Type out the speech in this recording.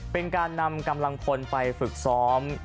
เป็นการนำกำลังพลไปฝึกซ้อม